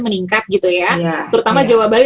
meningkat gitu ya terutama jawa bali